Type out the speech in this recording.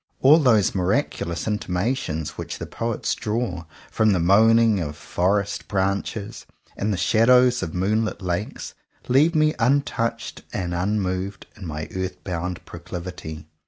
All those mirac ulous intimations which the poets draw, from the moaning of forest branches and the shadows in moon lit lakes, leave me un touched and unmoved in my earth bound proclivity.